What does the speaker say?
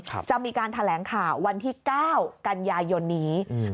จะมีการแถลงข่าววันที่เก้ากันยายนนี้อืม